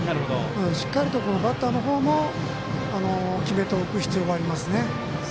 しっかりとバッターの方も決めておく必要がありますね。